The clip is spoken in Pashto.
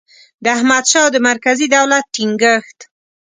د احمدشاه او د مرکزي دولت ټینګیښت